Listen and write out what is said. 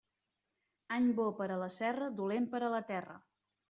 Any bo per a la serra, dolent per a la terra.